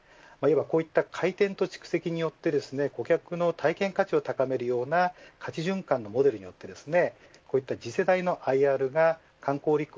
こういった体験の蓄積によって顧客の体験価値を高めるような価値循環のモデルになって次世代のＩＲが観光立国